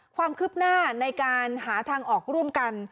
ความคืบหน้าในการหาทางออกร่วมกัน